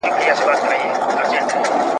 له پلرونو له نیکونو تعویذګر یم `